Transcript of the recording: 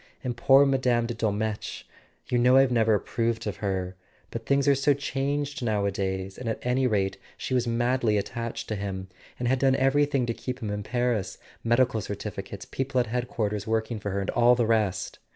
And poor Mme. de Dol¬ metsch—you know I've never approved of her; but things are so changed nowadays, and at any rate she was madly attached to him, and had done everything to keep him in Paris: medical certificates, people at Headquarters working for her, and all the rest.